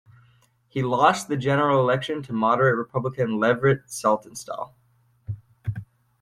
He lost the general election to moderate Republican Leverett Saltonstall.